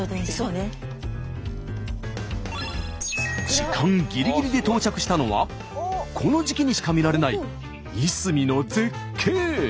時間ぎりぎりで到着したのはこの時期にしか見られないいすみの絶景。